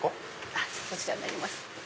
こちらになります。